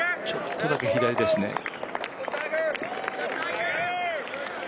ちょっとだけ左ですね。